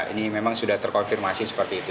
ini memang sudah terkonfirmasi seperti itu